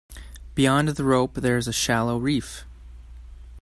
Beyond the rope there is a shallow reef.